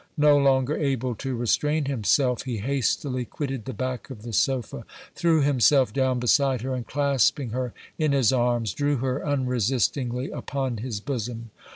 No longer able to restrain himself, he hastily quitted the back of the sofa, threw himself down beside her and clasping her in his arms drew her unresistingly upon his bosom.